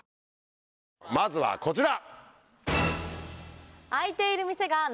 まずはこちら！